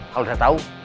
kalau udah tau